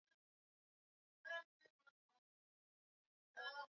Jina Blob lilijili kutoka kwa filamu ya sayansi Toka miaka kadhaa nyuma